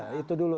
iya itu dulu